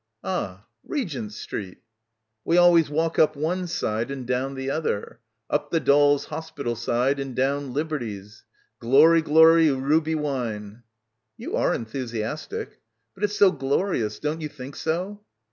"Ah, Regent Street." "We always walk up one side and down the other. Up the dolls' hospital side and down Liberty's. Glory, glory, ruby wine." "You are enthusiastic." "But it's so glorious. Don't you think so?